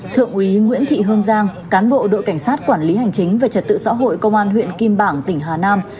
thượng úy nguyễn thị hương giang cán bộ đội cảnh sát quản lý hành chính về trật tự xã hội công an huyện kim bảng tỉnh hà nam